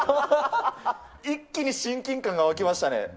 一気に親近感が湧きましたね。